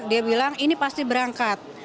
dia bilang ini pasti berangkat